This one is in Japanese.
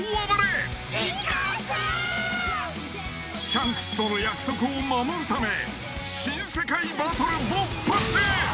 ［シャンクスとの約束を守るため新世界バトル勃発！］